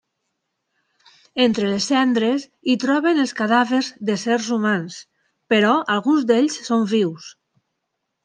Entre les cendres hi troben els cadàvers d'éssers humans, però alguns d'ells són vius.